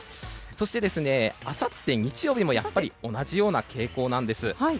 そして、あさっての日曜日も同じような傾向なんです。